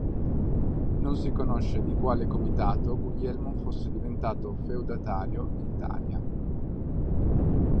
Non si conosce di quale comitato Guglielmo fosse diventato feudatario in Italia.